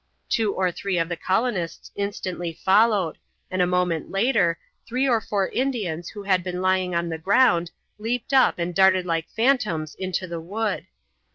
Two or three of the colonists instantly followed, and a moment later three or four Indians who had been lying on the ground leaped up and darted like phantoms into the wood.